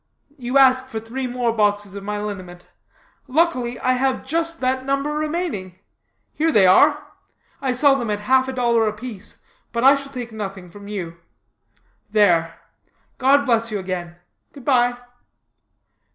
You ask for three more boxes of my liniment. Luckily, I have just that number remaining. Here they are. I sell them at half a dollar apiece. But I shall take nothing from you. There; God bless you again; good bye."